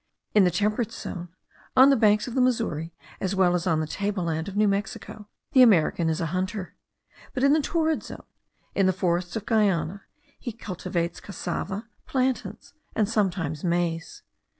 In the temperate zone, on the banks of the Missouri, as well as on the tableland of New Mexico, the American is a hunter; but in the torrid zone, in the forests of Guiana, he cultivates cassava, plantains, and sometimes maize.